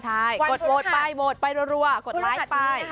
กดโหวตไปไปรวมกดไลค์ไป